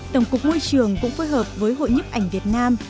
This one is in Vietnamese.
tổng cục môi trường cũng phối hợp với hội nhấp ảnh việt nam